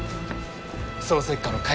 捜査一課の甲斐